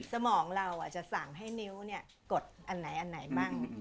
สมองเราจะสั่งให้นิ้วกดอันไหนอันไหนบ้าง